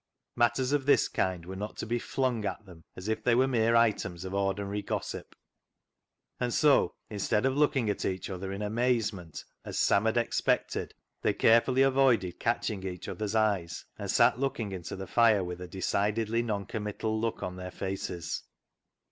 Matters of this kind were *«THE ZEAL OF THINE HOUSE" 299 not to be flung at them as if they were mere items of ordinary gossip, and so instead of looking at each other in amazement, as Sam had expected, they carefully avoided catching each other's eyes, and sat looking into the fire with a decidedly non committal look on their faces.